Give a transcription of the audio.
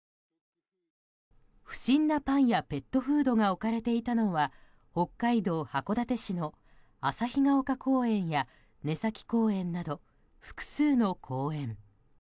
不審なパンやペットフードが置かれていたのは北海道函館市の旭岡公園や根崎公園など複数の公園。